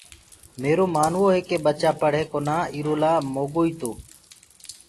ميرو مآنوو هي ڪي ٻچآ پڙهين ڪونآ ايرو لآ مآدوئي تو